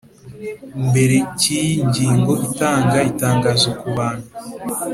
mbere cy iyi ngingo itanga itangazo ku Bantu